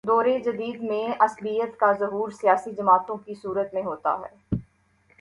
دور جدید میں عصبیت کا ظہور سیاسی جماعتوں کی صورت میں ہوتا ہے۔